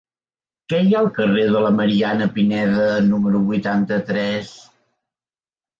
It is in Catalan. Què hi ha al carrer de Mariana Pineda número vuitanta-tres?